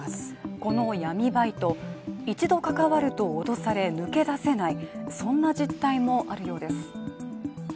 この闇バイト、一度関わると脅され抜け出せない、そんな実態もあるようです。